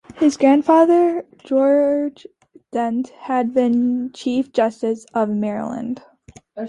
His grandfather, George Dent, had been Chief Justice of Maryland.